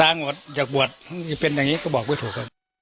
ร้างหวัดเจ็บหวัดเป็นอย่างนี้ก็บอกว่าถูก